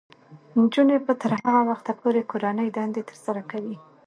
نجونې به تر هغه وخته پورې کورنۍ دندې ترسره کوي.